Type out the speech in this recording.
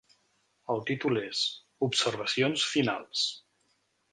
El títol és: "Observacions finals".